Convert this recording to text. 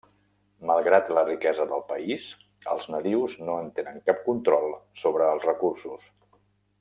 Malgrat la riquesa del país, els nadius no en tenen cap control sobre els recursos.